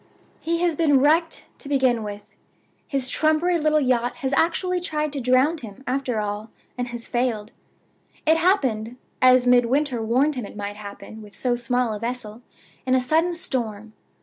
"He has been wrecked, to begin with. His trumpery little yacht has actually tried to drown him, after all, and has failed! It happened (as Midwinter warned him it might happen with so small a vessel) in a sudden storm.